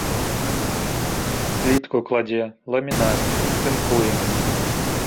Плітку кладзе, ламінат, тынкуе.